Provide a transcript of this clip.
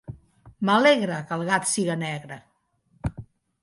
M'alegre, que el gat siga negre!